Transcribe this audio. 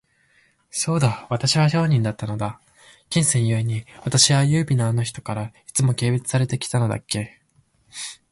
そうだ、私は商人だったのだ。金銭ゆえに、私は優美なあの人から、いつも軽蔑されて来たのだっけ。